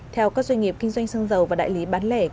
theo các doanh nghiệp kinh doanh xăng dầu và đại lý bán lẻ